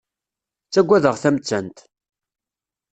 Ttaggadeɣ tamettant.